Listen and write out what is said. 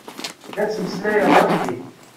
La ttmeslayeɣ weḥd-i.